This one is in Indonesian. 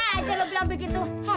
aja lo bilang begitu